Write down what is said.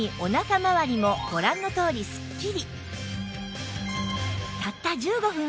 まわりもご覧のとおりスッキリ